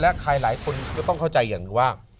และใครหลายคนก็ต้องเข้าใจอย่างหนึ่งว่า